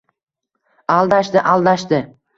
Aldashdi! Aldashdi!